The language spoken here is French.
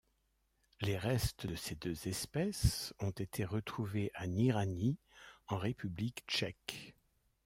Les restes de ses deux espèces ont été retrouvés à Nýřany, en République tchèque.